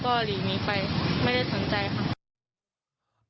ก็หลีกหนีไปไม่ได้สนใจค่ะ